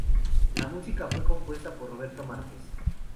La música fue compuesta por Roberto Márquez.